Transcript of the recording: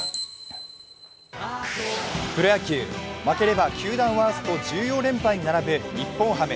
プロ野球、負ければ球団ワースト１４連敗に並ぶ日本ハム。